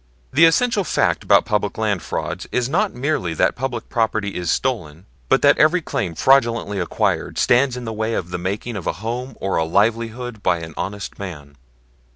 The essential fact about public land frauds is not merely that public property is stolen, but that every claim fraudulently acquired stands in the way of the making of a home or a livelihood by an honest man.